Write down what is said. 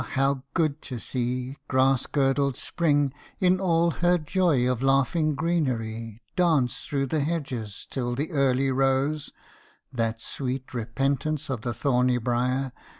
how good to see Grass girdled spring in all her joy of laughing greenery Dance through the hedges till the early rose, (That sweet repentance of the thorny briar!)